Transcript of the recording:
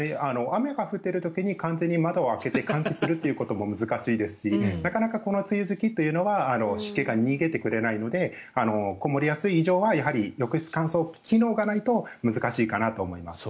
雨が降っている時に完全に窓を開けて換気するということも難しいですしなかなかこの梅雨時期は湿気が逃げてくれないのでこもりやすい以上は浴室乾燥機能がないと難しいかなと思います。